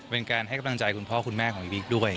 เป็นการให้กำลังใจคุณพ่อคุณแม่ของบิ๊กด้วย